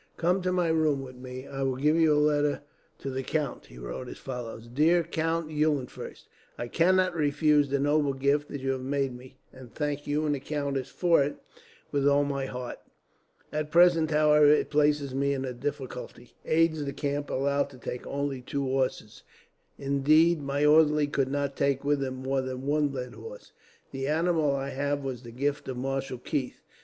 Come to my room with me. I will give you a letter to the count." He wrote as follows: "Dear Count Eulenfurst, "I cannot refuse the noble gift that you have made me, and thank you and the countess for it, with all my heart. At present, however, it places me in a difficulty. Aides de camp are allowed to take only two horses; indeed, my orderly could not take with him more than one led horse. The animal I have was the gift of Marshal Keith.